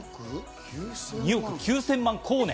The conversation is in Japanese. ２億９０００万光年？